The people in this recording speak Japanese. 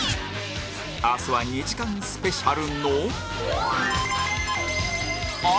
明日は２時間スペシャルの